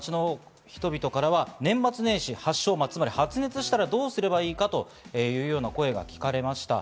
街の人々からは年末年始、発熱したらどうすればいいのかというような声が聞かれました。